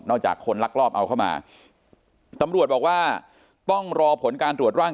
นอกจากคนลักลอบเอาเข้ามา